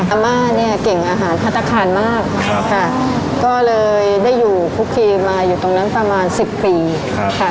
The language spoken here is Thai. อาม่าเนี่ยเก่งอาหารพัฒนาคารมากค่ะก็เลยได้อยู่คุกคีมาอยู่ตรงนั้นประมาณสิบปีค่ะ